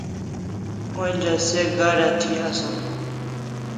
Onja se gada thi asaw